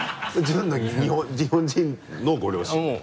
純の日本人のご両親だ？